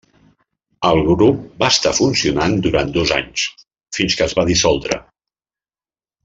El grup va estar funcionant durant dos d'anys fins que es va dissoldre.